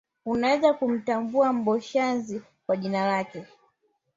Unaweza kumtambua Mboshazi kwa jina lake